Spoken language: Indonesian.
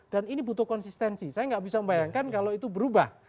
dan ini butuh konsistensi saya gak bisa membayangkan kalau itu berubah